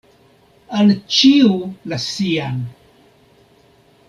Al ĉiu la sian.